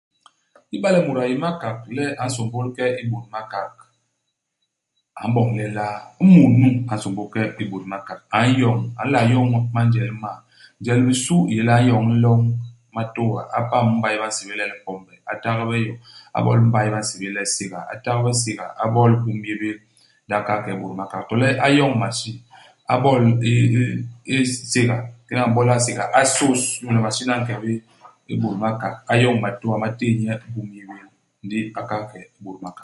Iba le mut a yé i Makak le a nsômbôl ke i Bôt-Makak, a m'boñ lelaa ? Imut nu a nsômbôl ke i Bôt-Makak, a n'yoñ a nla yoñ manjel m'ma. Njel i bisu i yé le a n'yoñ nloñ u matôa, a pam i mbay ba nsébél le Lipombe. A tagbe yo, a bol i mbay ba nsébél le Séga. A tagbe Séga, a bol i Boumnyébél. Ndi a kahal ke i Bôt-Makak. To le a yoñ masin, a bol i i i s Séga. Ingeñ a m'bol ha i Séga, a sôs, inyu le masin a nke bé i Bôt-Makak. A yoñ matôa ma téé nye i Boumnyébel, ndi a kahal ke i Bôt-Makak.